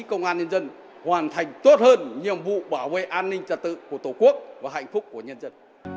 các nghệ sĩ công an nhân dân hoàn thành tốt hơn nhiệm vụ bảo vệ an ninh trật tự của tổ quốc và hạnh phúc của nhân dân